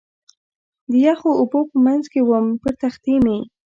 د یخو اوبو په منځ کې ووم، پر تختې مې.